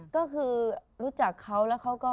ก็คือรู้จักเขาแล้วเขาก็